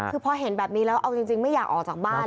คือพอเห็นแบบนี้แล้วเอาจริงไม่อยากออกจากบ้าน